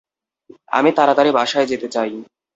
আমি তাড়াতাড়ি বাসায় যেতে চাই।